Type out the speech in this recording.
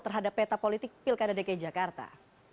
terhadap peta politik pilkada dki jakarta